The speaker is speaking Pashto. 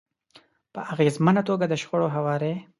-په اغیزمنه توګه د شخړو هواری